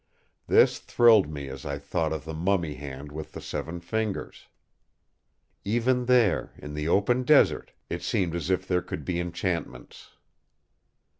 This thrilled me as I thought of the mummy hand with the seven fingers. "Even there, in the open desert, it seemed as if there could be enchantments!